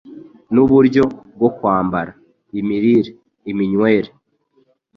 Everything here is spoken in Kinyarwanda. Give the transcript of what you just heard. n’uburyo bwo kwambara. Imirire, iminywere,